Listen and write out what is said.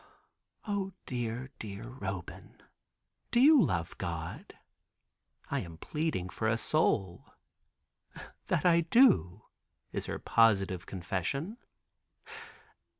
O dear, dear Roban, do you love God?" I am pleading for a soul. "That I do," is her positive confession.